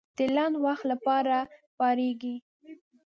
د لنډ وخت لپاره پارېږي.